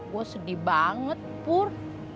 gue sedih banget pur